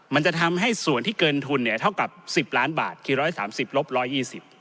มันจะทำให้ส่วนที่เกินทุนเนี่ยเท่ากับ๑๐ล้านบาทคือ๑๓๐๑๒๐